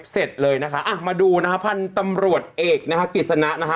เสร็จเลยนะคะอ่ะมาดูนะฮะพันธุ์ตำรวจเอกนะฮะกฤษณะนะฮะ